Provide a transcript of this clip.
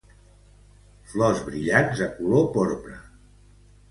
Flors brillants de color porpra.